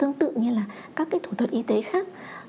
tương tự như là các cái thủ thuật y tế khác